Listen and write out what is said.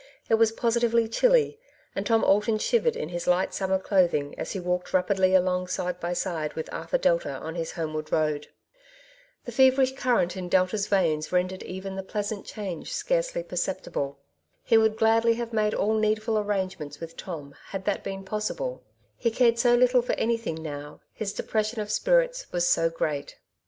It was positively chilly, and Tom Alton shivered in his light summer clothing as he walked rapidly along side by side with Arthur Delta on his homeward road. The 1 82 " Two Sides to every Qiiestiofiy feverish current in Delta's veins rendered even the pleasant change scarcely perceptible. He would gladly have made all needful arrangements with Tom bad that been possible, he cared so little for anything now^ his depression of spirits was so great.